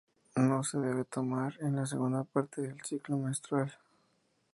No se debe tomar en la segunda parte del ciclo menstrual.